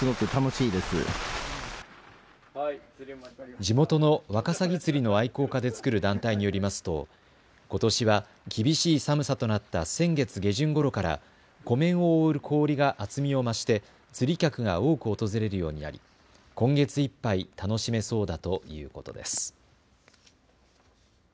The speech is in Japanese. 地元のワカサギ釣りの愛好家で作る団体によりますとことしは厳しい寒さとなった先月下旬ごろから湖面を覆う氷が厚みを増して、釣り客が多く訪れるようになり、今月いっぱい楽しめそうだということです。